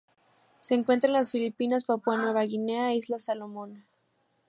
Se encuentra en las Filipinas, Papúa Nueva Guinea e Islas Salomón.